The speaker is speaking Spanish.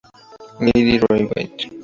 Lady Rawhide.